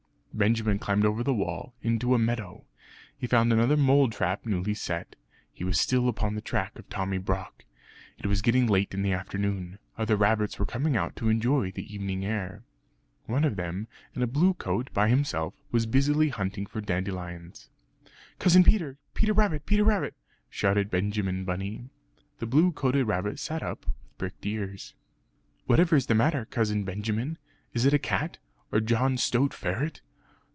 Benjamin climbed over the wall, into a meadow. He found another mole trap newly set; he was still upon the track of Tommy Brock. It was getting late in the afternoon. Other rabbits were coming out to enjoy the evening air. One of them in a blue coat by himself, was busily hunting for dandelions. "Cousin Peter! Peter Rabbit, Peter Rabbit!" shouted Benjamin Bunny. The blue coated rabbit sat up with pricked ears "Whatever is the matter, Cousin Benjamin? Is it a cat? or John Stoat Ferret?"